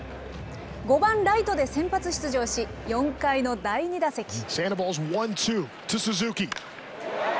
５番ライトで先発出場し、４回の第２打席。